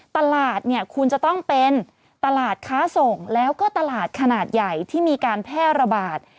ตลาดเนี่ยคุณจะต้องเป็นตลาดค้าส่งแล้วก็ตลาดขนาดใหญ่ที่มีการแพร่ระบาด